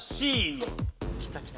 きたきた。